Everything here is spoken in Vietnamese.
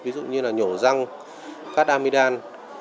ví dụ như là nhổ răng cát aminan